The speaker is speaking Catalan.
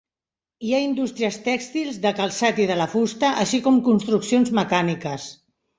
Hi ha indústries tèxtils, del calçat i de la fusta, així com construccions mecàniques.